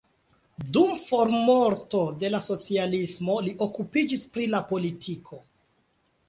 Dum formorto de la socialismo li okupiĝis pri la politiko.